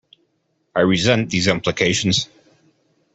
I resent these implications.